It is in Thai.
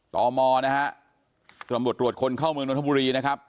ตมนะฮะตำรวจตรวจคนเข้าเมืองนทบุรีนะครับ